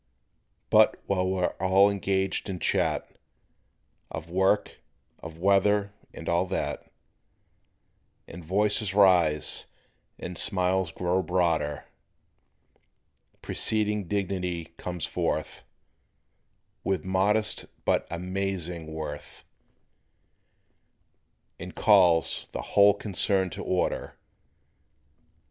But while we're all engaged in chat, Of work, of weather, and all that, And voices rise and smiles grow broader, Presiding dignity comes forth With modest but "amazing" worth And calls the whole concern to order.